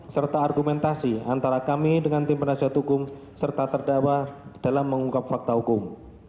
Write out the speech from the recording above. serta argumentasi antara kami dengan tim penasihat hukum serta terdakwa dalam mengungkap fakta hukum